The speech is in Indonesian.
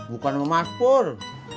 bukan sama mas pur